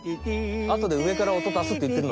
あとで上から音たすって言ってんのに？